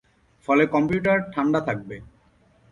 ফলে, কম্পিউটার ঠান্ডা থাকবে।